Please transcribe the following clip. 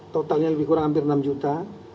totalnya lebih kurang hampir enam juta